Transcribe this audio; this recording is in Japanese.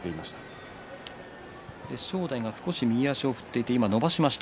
正代は少し右足を振っていて伸ばしました。